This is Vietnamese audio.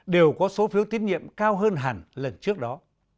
đều có số phiếu tín nhiệm cao hơn hẳn lần trước đó